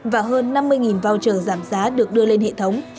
và hơn năm mươi voucher giảm giá được đưa lên hệ thống